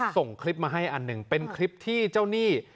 ส่งคลิปมาให้อันหนึ่งเป็นคลิปที่เจ้าหนี้